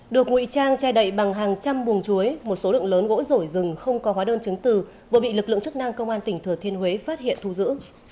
được nguy trang che đậy bằng hàng trăm buồng chuối một số lượng lớn gỗ rổi rừng không có hóa đơn chứng từ vừa bị lực lượng chức năng công an tỉnh thừa thiên huế phát hiện thu giữ